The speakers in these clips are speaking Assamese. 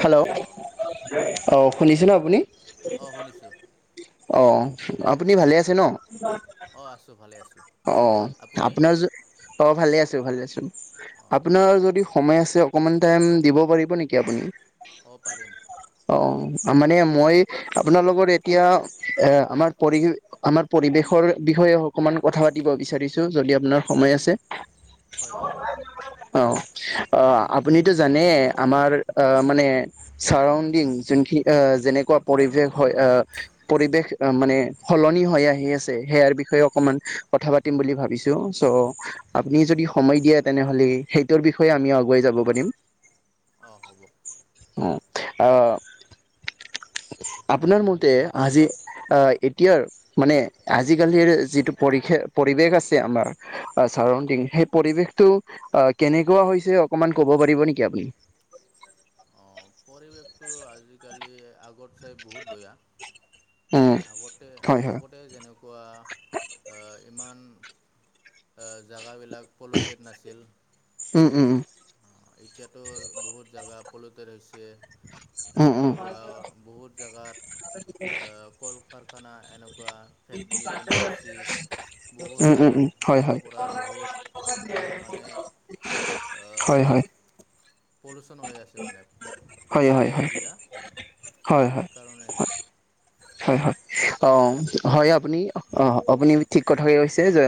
হেল্ল' অঁ অ' শুনিছে নে আপুনি? অ' শুনিছোঁ। অ, আপুনি ভালে আছে ন? অ' আছোঁ, ভালে আছোঁ। অ' আপুনি আপোনাৰ য, অ' ভালে আছোঁ, ভালে আছোঁ। অঁ আপোনাৰ যদি সময় আছে অকমান টাইম দিব পাৰিব নেকি আপুনি? অ' পাৰিম। অ' মানে মই আপোনালোকৰ এতিয়া এ আমাৰ পৰি আমাৰ পৰিৱেশৰ বিষয়ে অকমান কথা পাতিব বিচাৰিছোঁ, যদি আপোনাৰ সময় আছে। হয়, হয়, হয়। অ' অ' আপুনিতো জানে আমাৰ অ মানে চাৰাউণ্ডিং, যোনখি আহ যেনেকুৱা পৰিৱেশ হয় আহ পৰিৱেশ মানে সলনি হৈ আহি আছে, সেয়াৰ বিষয়ে অকমান কথা পাতিম বুলি ভাবিছোঁ চ' আপুনি যদি সময় দিয়ে তেনেহ'লে, সেইটোৰ বিষয়ে আমি আগুৱাই যাব পাৰিম। অ' হ'ব। অ' আহ আপোনাৰ মতে আজি আহ এতিয়াৰ মানে আজিকালিৰ যিটো পৰি পৰিৱেশ আছে আমাৰ আ চাৰডিং, অঁ সেই পৰিৱেশটো অ' কেনেকুৱা হৈছে অকনমান ক'ব পাৰিব নেকি আপুনি অ' পৰিৱেশটো আজিকালি আগত চাই বহুত বেয়া। [inaudible] আগতে, হয় হয় আগতে যেনেকুৱা আ ইমান আ জেগাবিলাক পলুটেড নাছিল। উম, উম, উম। অ' এতিয়াতো বহুত জেগা পলুটেড হৈছে। উম উম উম যেনেকুৱা বহুত জেগাত কল-কাৰখানা এনেকুৱা বা ফেক্টৰি ইণ্ডাষ্ট্ৰিছ বহুত উম উম তাৰে উম হয় তাৰ হয় পৰা বহুত মানে উ [inaudible] অ' হয়, হয়। পলোচন হৈ আছে মানে হয় হয় হয় এয়াৰবিলাক। হয়, হয়। কাৰণে হয়, হয়, অ' হয়, আপুনি অ' আপুনি ঠিক কথাকে কৈছে যে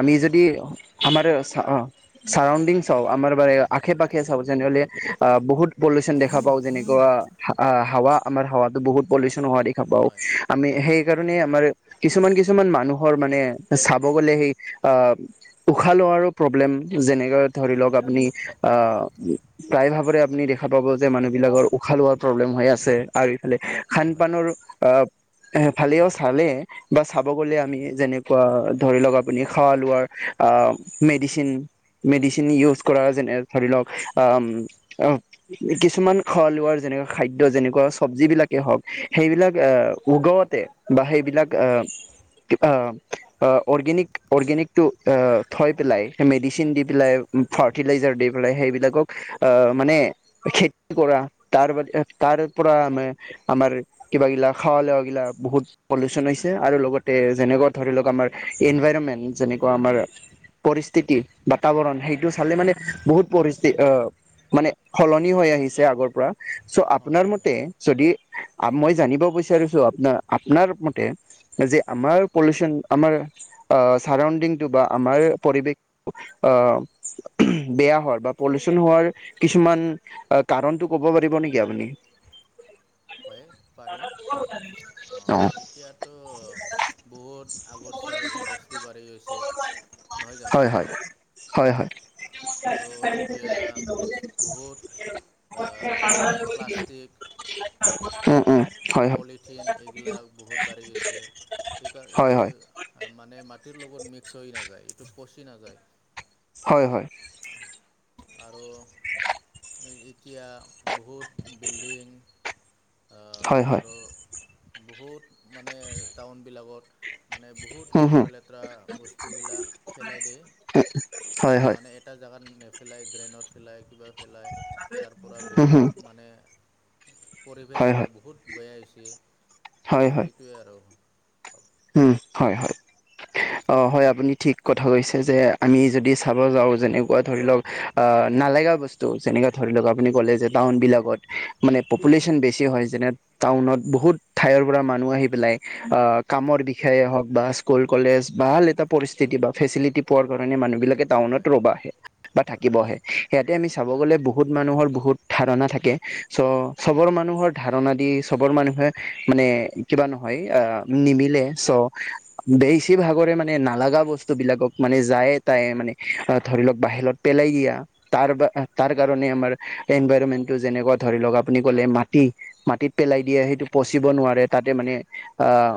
আমি যদি আমাৰ অ' চাৰাউণ্ডিং চাওঁ আমাৰ বাৰ আশে পাশে চাওঁ যেনেহ'লে বহুত- পলিউচন দেখা পাওঁ যেনেকুৱা হাৱা আমাৰ হাৱাতো বহুত পলিউশন হোৱা দেখা পাওঁ। হয়ঁ। আমি সেইকাৰণে আমাৰ কিছুমান কিছুমান মানুহৰ মানে- চাব গ'লে সেই আহ- উশাহ লোৱাৰো প্ৰব্লেম যেনেকে ধৰি লওঁক আপুনি আহ- প্ৰায় ভাগৰে আপুনি দেখা পাব যে মানুহবিলাকৰ উশাহ লোৱাৰ প্ৰব্লেম হৈ আছে। আৰু ইফালে হয় খান হয় পানৰ ফালেও চালে- বা চাব গ'লে আমি যেনেকুৱা ধৰি লওঁক আপুনি খোৱা লোৱাৰ মেডিচিন- মেডিচিন ইউজ কৰা যেনে ধৰি লওঁক আম আ- কিছুমান খোৱা লোৱাৰ যেনেকুৱা খাদ্য যেনেকুৱা চব্জি- বিলাকে হওঁক সেইবিলাক। এ উগাওতে বা সেইবিলাক আহ কিবা- অৰ্গেনিক অৰ্গেনিকটো আ থৈ পেলাই সেই মেডিচিন দি পেলাই- ফাৰ্টিলাইজাৰ দি পেলাই সেইবিলাকক- আহ মানে খেতি কৰা তাৰ তাৰ পৰা আমাৰ আমাৰ কিবা গিলা খাৱ লাৱা বিলাক বহুত। পলিউচন হৈছে আৰু লগতে যেনেকুৱা ধৰি লওঁক আমাৰ এনভাইৰমেণ্ট যেনেকুৱা আমাৰ- পৰিস্থিতি বাতাবৰণ সাইটো চালে মানে বহুত পৰিস্থিতি আহ- মানে সলনি হৈ আহিছে আগৰ পৰা চ' হয় আপোনাৰ হয় মতে যদি মই- জানিব বিচাৰিছোঁ আপাৰ আপোনাৰ মতে যে আমাৰ পলিচন আমাৰ- আ ছাৰাউণ্ডিংটো বা আমাৰ পৰিৱেশ- আহ বেয়া হোৱাৰ বা পলিউচন হোৱাৰ কিছুমান- অঁ কাৰণতটো ক'ব পাৰিব নেকি আপুনি? হয়ঁ! মানুহে লোকক পচাই দিলে। অঁ এতিয়াতো- বহুত আগৰ চাই ইণ্ডাষ্ট্ৰি বাঢ়ি গৈছে। নহয় জানো হঁয় হয়ঁ হঁয় হয়ঁ! আৰু এতিয়া বহুত যেনে প্লাষ্টিক [unintelligible] উমঁ উমঁ হয়। হয় পলিথিন এইগিলাক বহুত বাঢ়ি গৈছে এইকাৰণ হয় এইটো। হয় মানে মাটিৰ লগত মিক্স হৈ নাযায় এইটো পচি নাযায়। হয়ঁ হয়ঁ। আৰু- যেতিয়া বহুত বিল্ডিং - হয় হয় তো বহুত মানে টাউনবিলাকত- মানে বহুত হুম হুম লেতেৰা লেতেৰা বস্তুগিলাক ফেলাই হয় দিয়ে হয় মানে- এটা জেগাত নেফেলাই ড্ৰেইনত পেলাই কিবা পেলায় তাৰ পৰা উম হুম বহুত মানে- হয় পৰিৱেশগিলা হয় বহুত বেয়া হৈছে সেইটোৱে আৰু। উমঁ হঁয় হয়ঁ অঁ হয় আপুনি ঠিক- কথা কৈছে যে আমি যদি চাব যাওঁ যেনেকুৱা ধৰি লওঁক আহ- নালগাও বস্তু যেনেকে ধৰি লওঁক আপুনি ক'লে যে টাউন বিলাকত মানে পপুলেচন বেছি হয় যেনে- টাউনত বহুত ঠাইৰ পৰা মানুহ আহি পেলাই আ- কামৰ বিষয়ে হওঁক বা স্কুল কলেজ ভাল এটা পৰিস্থিতি বা ফেচিলিটি কাৰণে মানুহ বিলাক- টাউনত হয় ৰ'ব থাকিব আহে সিহঁতে আমি চাব হয় গ'লে বহুত মানুহৰ বহুত- ধাৰণা থাকে। চ' চবৰ মানুহৰ ধাৰণা দি চবৰ মানুহে মানে কিবা নহয় আহ। নিমিলে চ' বেছিভাগৰে মানে নালাগা বস্তু বিলাকক মানে যায়। তাইৰ মানে ধৰি লওক বাহিৰত পেলাই দিয়া তাৰ বা তাৰ কাৰণে আমাৰ এনভাইৰমেন্টটো যেনেকুৱা ধৰি লওক আপুনি কলে মাটি মাটিত পেলাই দিয়ে সেইটো হয় পচিব নোৱাৰে। তাতে মানে হয় হয় আহ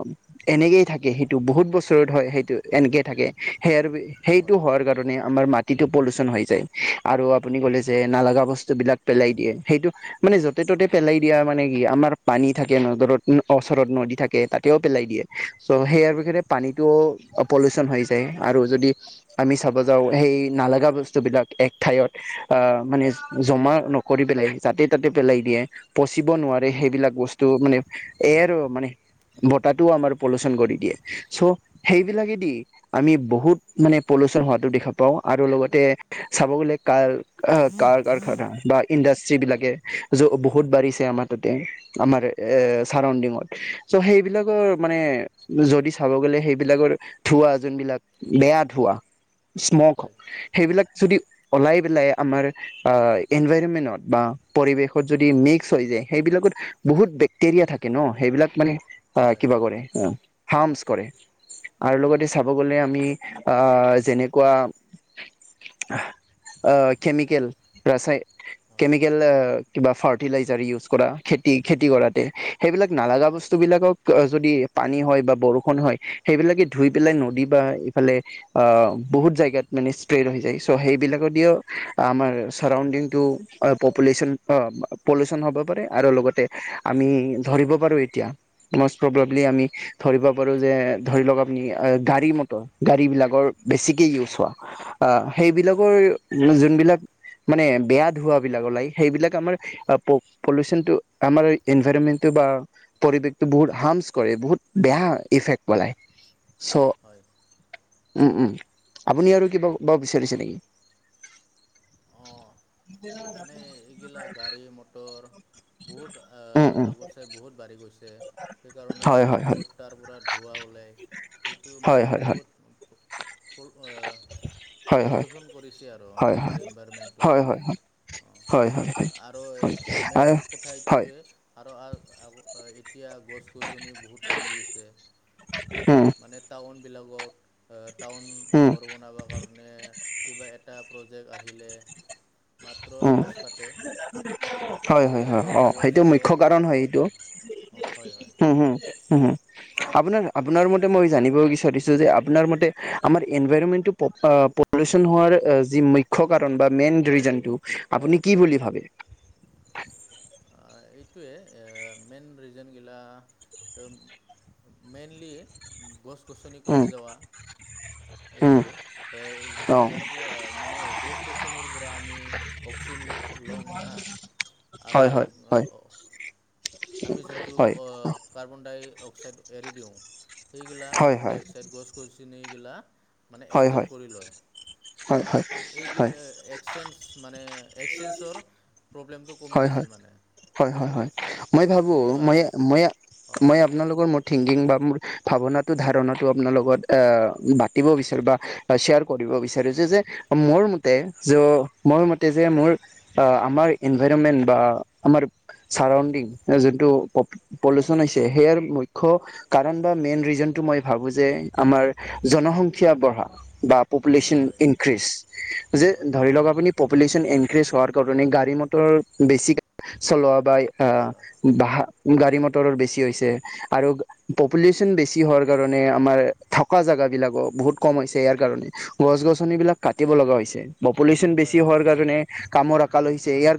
এনেকেয়ে থাকে সেইটো বহুত বছৰত হয় সেইটো। এনকে থাকে সেয়ে আৰু বেছি সেইটো হয়। কাৰণে আমাৰ মাটিটো পলোচন হৈ যায়, আৰু আপুনি ক'লে যে নালাগা বস্তু বিলাক পেলাই দিয়ে সেইটো মানে য'তে ত'তে পেলাই দিয়া মানে কি আমাৰ পানী থাকে নদৰত ওচৰত নদী থাকে। তেওঁ পেলাই দিয়ে চ', সেইয়াৰ হয় হয় বিষয়ে পানীটোওঁ পলিউচন হৈ যায় আৰু যদি আমি চাব যাওঁ সেই নালাগা বস্তুবিলাক এক ঠাইত অহ' মানে জমা ন কৰি পেলাই যাতে- তাতে পেলাই দিয়ে। পচিব নোৱাৰে, সেইবিলাক বস্তু মানে এ আৰু মানে বতাহ টোও আমাৰ পলুচন কৰি দিয়ে চ' সেইবিলাকেদি আমি বহুত মানে পলুচন হোৱাটো দেখা পাওঁ আৰু লগতে চাব গ'লে কাৰ আহ কাৰ- কাৰ [unintelligible] খাবা বাই। ইণ্ডাষ্ট্ৰ্ৰী বিলাকে বহুত, বাঢ়িছে আমাৰ তাতে, আমাৰ এ চাৰনডিঙত। চ' সেইবিলাকৰ মানে যদি চাব গ'লে সেইবিলাকৰ ধোৱাঁ যোনবিলাক, বেয়া ধোৱাঁ স্ম'ক সেইবিলাক যদি ওলাই পেলাই আমৰ আহ এনভাইৰমেন্টত বা পৰিৱেশত যদি মিক্স হৈ যায় সেইবিলাকত বহুত বেক্টেৰিয়া থাকে ন' সেইবিলাক মানে হয় হয় আহ' হয় কিবা কৰে অহ- হাৰ্মছ কৰে আৰু লগতে চাব গ'লে আমি আহ যেনেকুৱা আহ, কেমিকেল ৰাছায় হয় কেমিকেল কিবা ফাৰ্টিলাইজাৰ ইউজ কৰা খেতি -খেতি কৰোঁতে সেইবিলাক অঁ [unintelligible] সিবিলাকক যদি পানী হয় বা বৰষুন হয়, সেইবিলাকে ধুই পেলাই নদী বা এইফালে আহ, বহুত জাগাত মানে স্প্ৰেড হৈ যায়। ত' সেইবিলাক দিওঁ আমাৰ ছাৰাউণ্ডিংটো আহ, পপুলেশ্যন আহ পলুউশ্যন হ'ব পাৰে আৰু লগতে আমি ধৰিব পাৰোঁ এতিয়া। মষ্ট প্ৰব্লি আমি ধৰিব পাৰোঁ যে ধৰি লওঁক আপুনি গাড়ী মটৰ গাড়ী বিলাকৰ বেছিকে ইউজ হয় হোৱা। আহ, হয় সেইবিলাকৰ মানে যোনবিলাকৰ মানে বেয়া ধোৱাঁবিলাক ওলাই সেইবিলাক আমাৰ আপু পলূউশ্যনতো আমাৰ এনভাইৰমেন্টতো বা পৰিৱেশ টো, বহুত হাৰ্মচ কৰে বহুত বেয়া ইফেক্ পেলাই চ'- হয়। উম' উম' আপুনি আৰু কিবা ক'ব বিচাৰিছে নেকি? অ'হ। এইবিলাক গাড়ী - মটৰ বহুত আ উম উম -আগত চাই বহুত বাঢ়ি গৈছে। সেইকাৰণে হয় হয় হয় বহুত তাৰ পৰা ধোঁৱা ওলায়। সেইটো মানে হয় হয় হয় বহুত পুল [unintelligible] ‌ হয় হয় পদূশ্যন কৰিছে আৰু হয় হয় আমাৰ এনভাৰমেণ্টো। হয় হয় হয়, হয়, হয়। আৰু হয় মেইন আৰু কথা হয় এইটোৱে। আৰু আৰ [unintelligible] এতিয়া গছ-গছনি বহুত কমি গৈছে। অ'। মানে টাউনবিলাকত আহ টাউন উম ঘৰ বনাবৰ কাৰণে কিবা এ টা প্ৰজেক্ট আহিলে মাত্ৰ উম গছ কাত হয় হয় হয় অ গছ সেইটো আৰু মুখ্য কাৰণ হয় গছ এইটো হয় হয় হুম হুম হু হু আপোনাৰ আপোনাৰ মতে মই জানিব বিচাৰছো যে আপোনাৰ মতে আমাৰ এনভাইৰমেন্টটো প আ প পলিউশ্যন হোৱাৰ আ যি মূখ্য কাৰণ বা মেইন ৰিজনটো আপুনি কি বুলি ভাবে? [inaudible] আহ এইটোৱে মেইন ৰিজন গিলা তো মেইনলি গছ-গছনি উম কমি যাৱা [inaudible] এইটো আ অ যাৰ পৰা মানে গছ-গছনিৰ পৰা আমি অক্সি লং না আৰু হয় হয় হয় আমি যোনটো হয় অ কাৰ্বন-ডাই-অক্সাইড এৰি দিওঁ সেইবিলাক হয় হয় কাৰ্বন- হয় ডাই-অক্সাইড গছ গছনি গিলা মানে হয় এবজৰ্ব হয় কৰি হয় লয় হয় এইবিলা এ এক্সচেঞ্জ মানে এক্সচেঞ্জৰ প্ৰব্লেমটো কমি হয় হয় গৈছে মানে হয় হয় হয় মই ভাবো যিটো আম ময়া ময়া অঁ ময়া আপোনা লগত মোৰ থিংকিং বা মোৰ ভাৱনাটো ধাৰণাটো আপোনাৰ লগত আ বাতিব বিচাৰে বা হয় শ্বেয়াৰ কৰিব বিচাৰিছো যে মোৰ মতে য মোৰ অঁ মতে যে মোৰ আ আমাৰ এনভাইৰমেণ্ট বা আমাৰ ছাৰাউণ্ডিং যিটো অপ পলিউশ্যন হৈছে সেয়াৰ মুখ্য কাৰণ বা মেইন ৰিজনটো মই ভাবো যে আমাৰ জনসংখ্যা বঢ়া বা হয় পপুলেশ্যন হয় ইনক্ৰিজ যে হয় ধৰি লক আপুনি পপুলেশ্যন ইনক্ৰিজ হোৱাৰ কাৰণে গাড়ী ম তৰ বেছিকে চলোৱা বাই আ হয় হয় বাহা গাড়ী মটৰৰ বেছি হৈছে আৰু হয় পপুলেশ্যন বেছি কিহৰ কাৰণে আমাৰ থকা জেগা বিলাকো বহুত কম হৈছে ইয়াৰ কাৰণে হয় গছ-গছনী বিলাক কাটিব লগা হৈছে পপুলেশ্যন হয় বেছি হয় হোৱাৰ হয় কাৰণে কামৰ আকাল হৈছে ইয়াৰ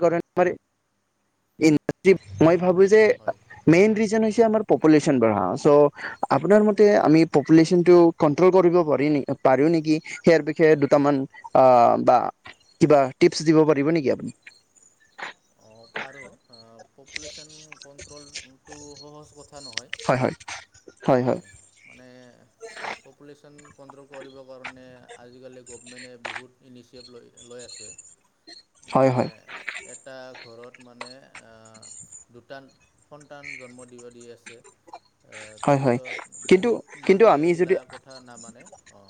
মই ভাবো যে হয় মেইন ৰিজন হৈছে আমাৰ পপুলেশ্যন বঢ়া চ' আপোনাৰ মতে আমি পপুলেশ্যনটো কন্ট্ৰল কৰিব পাৰি-পাৰো নেকি সেইয়াৰ বিষয়ে দুটামান আ বা কিবা টিপছ দিব পাৰিব নেকি আপুনি? [inaudible] অ' পাৰো পপুলেশ্যন কণ্ট্ৰলটোটো সহজ কথা নহয়। হয় হয়। হয় মানে পপুলেশ্যন কণ্ট্ৰল কৰিবৰ কাৰণে আজিকালি গভমেণ্টে বহুত ইনিচিয়েভ লৈ লৈ আছে। [inaudible] মানে হয় এটা ঘৰত মানে আ দুটা সন্তান জন্ম দিব দি আছে এ হয় হয় তাৰপিছত কিন্তু বহুত কিন্তু মানুহে আমি এইগিলা যদি কথা নামানে অ'।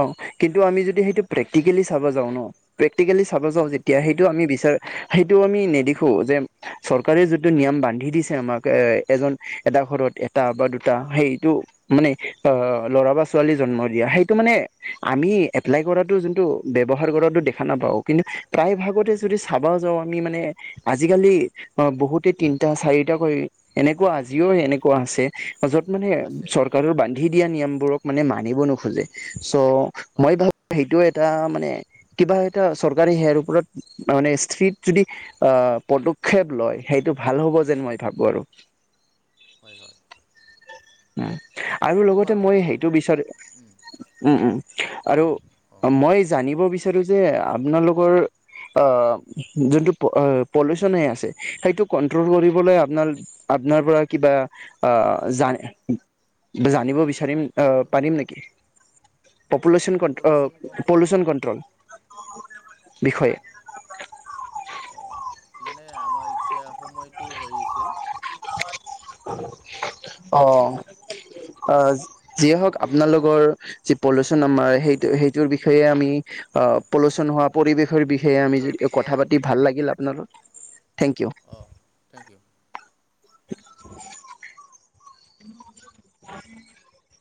অ' কিন্তু আমি যদি সেইটো প্ৰেক্টিকেলি চাব যাওঁ ন প্ৰেক্টিকেলি চাব যাওঁ হয় তেতিয়া সেইটো আমি বিচাৰ সেইটো আমি নেদেখোঁ যে চৰকাৰে যিটো নিয়ম বান্ধি দিছে আমাক এ এজন এটা ঘৰত এটা বা দুটা সেইটো মানে অ' ল'ৰা বা ছোৱালী জন্ম দিয়া সেই টো মানে আমি এপ্লাই কৰাটো যোনটো ব্যৱহাৰ কৰাটো দেখা নাপাওঁ কিন্তু প্ৰায় ভাগতে হয় যদি চাব ব যাওঁ আমি মানে আজিকালি অ বহুতে তিনটা, চাৰিটা কৰি এনেকুৱা আজিও এনেকুৱা আছে য'ত মানে আছে আছে চৰকাৰৰ বান দি দিয়া নিয়ম বোৰক মনে মানিব নোখোজে। চ' হয় মই ভাবো সেইটো এটা মা মানে কিবা এটা চৰকাৰী সেৱাৰ ওপৰত মানে স্ত্ৰিত যদি আহ পদক্ষেপ লয় সেইটো ভাল হ'ব যেন মই ভাবো আৰু। হয়-হয়। অঁ! আৰু খুব লগতে ভাল মই পাব সেইটো বিচাৰোঁ। উম-উম! আৰু মই জানিব বিচাৰো যে আপোনালোকৰ আহ যোনটো প আহ পলিউচন হৈ আছে সেইটো কন্ট্ৰল কৰিবলৈ আপোনাৰ আপোনাৰ পৰা কিবা আহ জান জানিব বিচাৰিম আহ অঁ পাৰিম নেকি? পপুলেশ্বন কন আহ পলিউশ্যন পলোশ্বন কণ্ট্ৰলৰ কণ্ট্ৰল। বিষয়ে। অঁ [unintelligible] অঁ! মানে আমাৰ এতিয়া সময়টো হৈ আছিল। [unintelligible] অ! অঁ আজ যিয়ে হওক আপোনালোকৰ যি পলুশ্বন আমাৰ সেইটো-সেইটোৰ বিষয়ে আমি অ! হয় পলোচন হোৱা পৰিবেশৰ বিষয়ে আমি হয় যদি বিষয়ে কথা পাত আমি পাতি ভাল লাগিল আপোনাৰ লগত থেংক ইউ। অ! Thank U. [unintelligible]